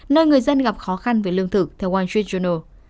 nơi người dân gặp khó khăn với lương thực theo wall street journal